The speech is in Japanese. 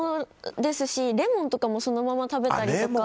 レモンとかもそのまま食べたりとか。